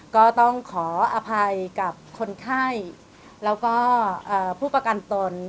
ก็ต้องขออภัยกับคนไข้แล้วก็ผู้ประกันตน